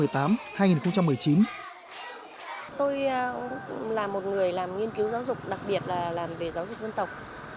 tôi là một người làm nghiên cứu giáo dục đặc biệt là làm về giáo dục dân tộc